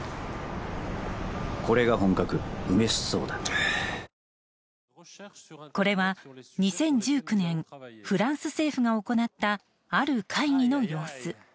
くーーーーーっこれは２０１９年フランス政府が行ったある会議の様子。